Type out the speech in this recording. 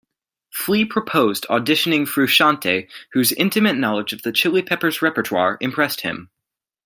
Flea proposed auditioning Frusciante, whose intimate knowledge of the Chili Peppers' repertoire impressed him.